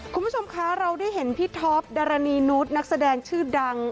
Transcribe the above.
คุณผู้ชมคะเราได้เห็นพี่ท็อปดารณีนุษย์นักแสดงชื่อดัง